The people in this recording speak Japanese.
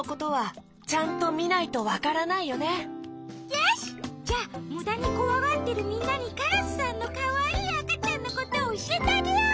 よしじゃむだにこわがってるみんなにカラスさんのかわいいあかちゃんのことをおしえてあげよう！